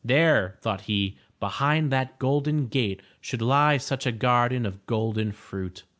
There, thought he, behind that golden gate should lie such a garden of golden fruit.